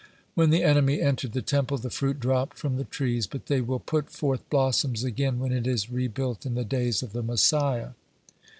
When the enemy entered the Temple, the fruit dropped from the trees, but they will put forth blossoms again when it is rebuilt in the days of the Messiah.